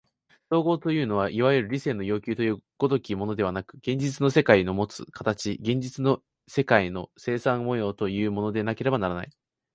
綜合というのはいわゆる理性の要求という如きものではなく、現実の世界のもつ形、現実の世界の生産様式というものでなければならない。